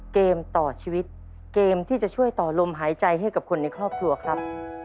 เกมต่อชีวิตเกมที่จะช่วยต่อลมหายใจให้กับคนในครอบครัวครับ